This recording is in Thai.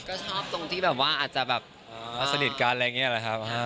ก็ชอบตรงที่แบบว่าอาจจะแบบสนิทกันอะไรอย่างนี้แหละครับ